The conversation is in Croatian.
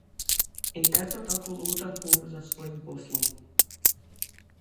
I eto tako lutahu za svojim poslom.